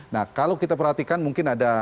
nah kalau kita perhatikan mungkin ada